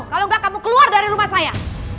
kalau enggak kamu keluar dari rumah saya